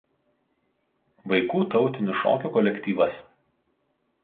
Vaikų tautinių šokių kolektyvas.